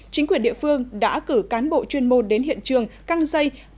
chính quyền địa phương đã cử cán bộ chuyên môn đến hiện trường